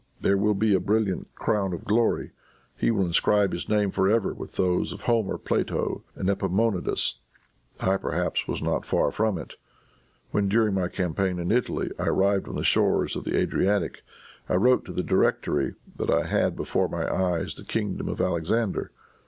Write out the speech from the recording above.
There will be a brilliant crown of glory. He will inscribe his name for ever with those of Homer, Plato and Epaminondas. I perhaps was not far from it. When, during my campaign in Italy, I arrived on the shores of the Adriatic, I wrote to the Directory, that I had before my eyes the kingdom of Alexander.